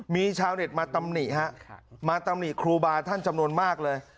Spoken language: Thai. มีชาวเน็ตมาตำหนิฮะมาตำหนิครูบาท่านจำนวนมากเลย